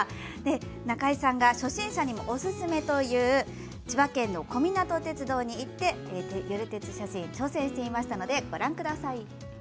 中井さんが初心者にもおすすめという千葉県の小湊鐵道に行ってゆる鉄写真挑戦してみましたのでご覧ください。